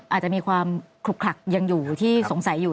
อาจจะมีความขลุกขลักยังอยู่ที่สงสัยอยู่